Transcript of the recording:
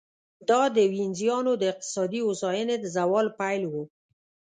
دا د وینزیانو د اقتصادي هوساینې د زوال پیل و.